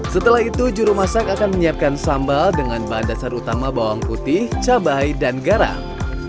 setelah itu juru masak akan menyiapkan sambal dengan bahan dasar utama bawang putih cabai dan garam